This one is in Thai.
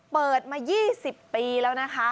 เปิดมา๒๐ปีแล้วนะคะ